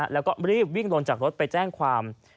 แล้วก็รีบวิ่งลงจากรถไปแจ้งความ